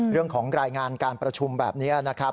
เรื่องของรายงานการประชุมแบบนี้นะครับ